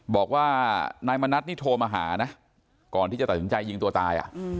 บอกว่านายมณัฐนี่โทรมาหานะก่อนที่จะตัดสินใจยิงตัวตาย